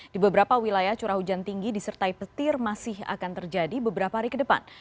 di beberapa wilayah curah hujan tinggi disertai petir masih akan terjadi beberapa hari ke depan